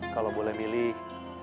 kalau boleh milih